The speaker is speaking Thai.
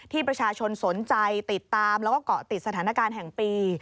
ที่ประชาชนสนใจติดตามแล้วก็เกาะติดสถานการณ์แห่งปี